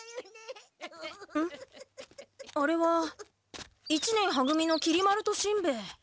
あれは一年は組のきり丸としんべヱ。